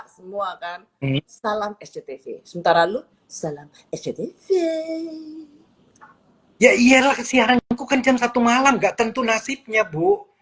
semua akan ini salam sctv sementara lu salamp ssti yalik siaran highestdamugg channel satu malam gak tentu nasibnya buruk lilisnya